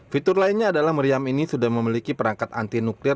fitur lainnya adalah meriam ini sudah memiliki perangkat anti nuklir